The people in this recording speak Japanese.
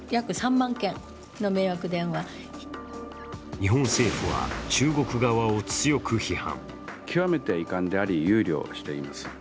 日本政府は中国側を強く批判。